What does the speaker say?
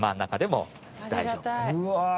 うわ！